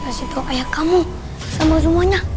jelas kita harus kasih tahu ayah kamu sama semuanya